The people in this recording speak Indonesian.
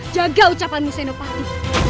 jaga ucapanmu senopati